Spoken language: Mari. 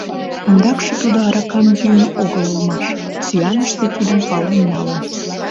Ондакше тудо аракам йӱын огыл улмаш, сӱаныште тидым пален налын.